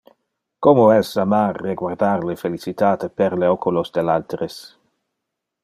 Como es amar reguardar le felicitate tra le oculos del alteres.